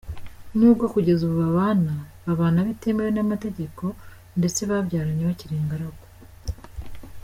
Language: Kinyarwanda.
N’ubwo kugeza ubu babana, babana bitemewe n’amategeko ndetse banabyaranye bakiri ingaragu.